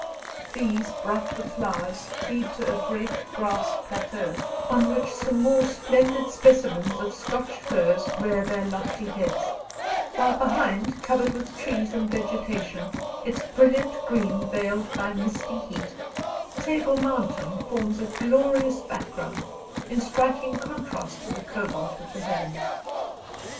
These, bright with flowers, lead to a great grass plateau, on which some more splendid specimens of Scotch firs rear their lofty heads; while behind, covered with trees and vegetation, its brilliant green veiled by misty heat, Table Mountain forms a glorious background, in striking contrast to the cobalt of the heavens.